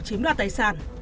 chiếm đoạt tài sản